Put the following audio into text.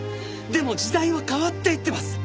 でも時代は変わっていってます。